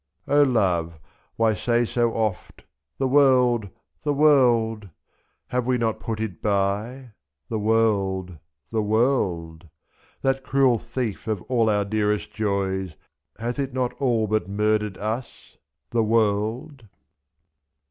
80 O Love, why say so oft — *the world! the world!* Have we not put it by — the world! the world! 1 7 7. That cruel thief of all our dearest joys. Hath it not all but murdered us — the world!